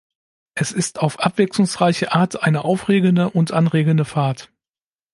Es ist auf abwechslungsreiche Art eine aufregende und anregende Fahrt.